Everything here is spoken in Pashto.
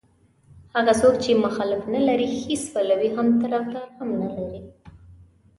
هغه څوک چې مخالف نه لري هېڅ پلوی او طرفدار هم نه لري.